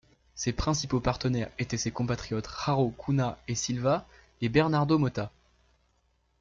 Ses principaux partenaires étaient ses compatriotes João Cunha e Silva et Bernardo Mota.